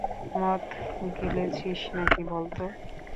মদ গিলেছিস নাকি বল তো?